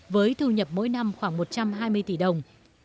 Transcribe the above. với thu nhập mỗi năm khoảng một trăm hai mươi tỷ đồng